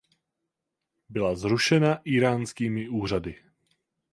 Byla zrušena íránskými úřady.